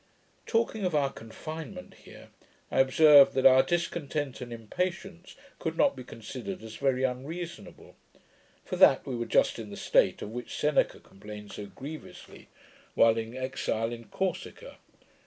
Talking of our confinement here, I observed, that our discontent and impatience could not be considered as very unreasonable; for that we were just in the state of which Seneca complains so grievously, while in exile in Corsica.